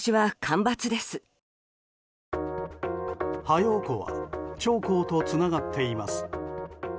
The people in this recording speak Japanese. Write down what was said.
ハヨウ湖は長江とつながっています。